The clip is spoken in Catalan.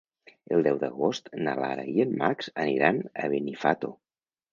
El deu d'agost na Lara i en Max aniran a Benifato.